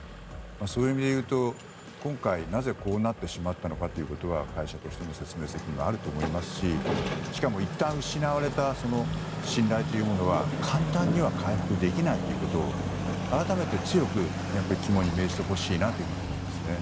そういう意味でいうと今回なぜこうなってしまったのかということは会社としても説明責任はあると思いますししかも、いったん失われた信頼というものは簡単には回復できないということを改めて、強く肝に銘じてほしいなと思いますね。